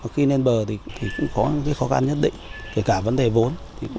khi lên bờ thì cũng có khó khăn nhất định kể cả vấn đề vốn